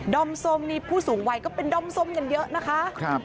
อมส้มนี่ผู้สูงวัยก็เป็นดอมส้มกันเยอะนะคะ